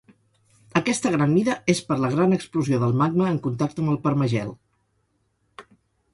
Aquesta gran mida és per la gran explosió del magma en contacte amb el permagel.